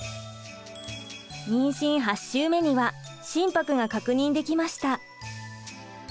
妊娠８週目には心拍が確認できました。